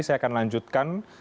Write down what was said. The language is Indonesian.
saya akan lanjutkan